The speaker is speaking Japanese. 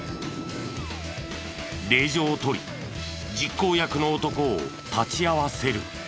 令状を取り実行役の男を立ち会わせる。